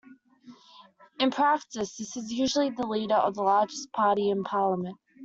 In practice, this is usually the leader of the largest party in Parliament.